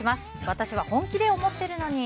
私は本気で思ってるのに。